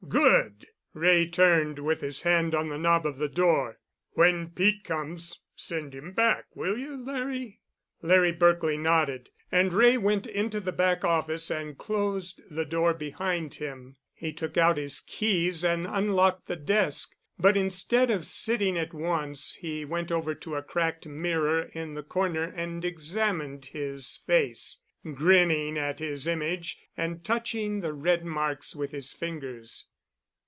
"Good!" Wray turned, with his hand on the knob of the door. "When Pete comes, send him back. Will you, Larry?" Larry Berkely nodded, and Wray went into the back office and closed the door behind him. He took out his keys and unlocked the desk, but, instead of sitting at once, he went over to a cracked mirror in the corner and examined his face, grinning at his image and touching the red marks with his fingers.